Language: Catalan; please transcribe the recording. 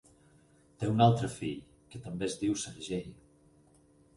Té un altre fill, que també es diu Sergei.